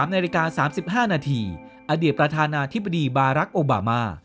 ๓นาฬิกา๓๕นาทีอดีตประธานาธิบดีบารักษ์โอบามา